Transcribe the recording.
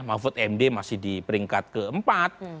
mahfud md masih di peringkat keempat